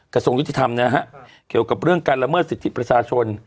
กระทรวงยุติธรรมนะฮะเกี่ยวกับเรื่องการละเมิดสิทธิประชาชน